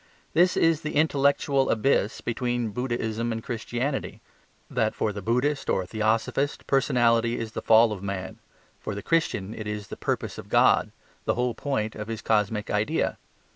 This is the intellectual abyss between Buddhism and Christianity; that for the Buddhist or Theosophist personality is the fall of man, for the Christian it is the purpose of God, the whole point of his cosmic idea.